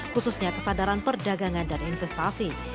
khususnya kesadaran perdagangan dan investasi